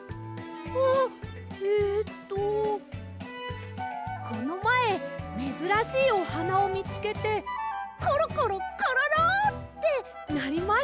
あえっとこのまえめずらしいおはなをみつけてコロコロコロロ！ってなりました。